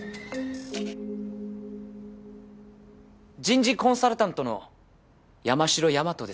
人事コンサルタントの山城大和です。